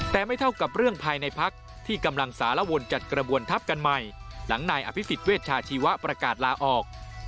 แต่ไม่เท่ากับเรื่องภายในพักที่กำลังสารวนจัดกระบวนทัพกันใหม่หลังนายอภิษฎเวชาชีวะประกาศลาออก